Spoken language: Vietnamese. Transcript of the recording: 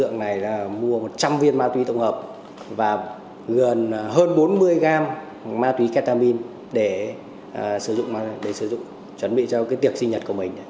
gần hơn bốn mươi gram ma túy ketamin để sử dụng chuẩn bị cho tiệc sinh nhật của mình